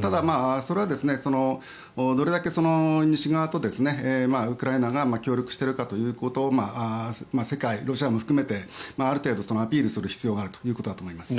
ただそれはどれだけ西側とウクライナが協力しているかということを世界に、ロシアも含めてある程度、アピールする必要があるということだと思います。